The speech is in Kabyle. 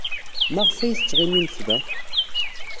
Maɣef ay tettɣimimt da?